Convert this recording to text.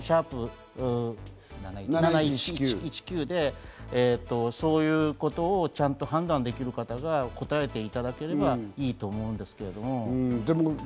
不安であるというのは、できれば「＃７１１９」で、そういうことをちゃんと判断できる方が答えていただければいいと思うんですけれども。